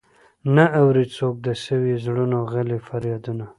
نه اوري څوک د سويو زړونو غلي فريادونه.